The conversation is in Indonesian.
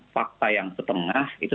fakta yang setengah itu